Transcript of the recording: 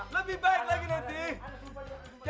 lebih baik lagi nessie